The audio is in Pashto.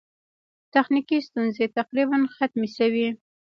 تخنیکي ستونزې تقریباً ختمې شوې.